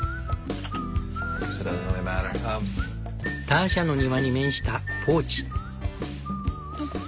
ターシャの庭に面した「ポーチ」。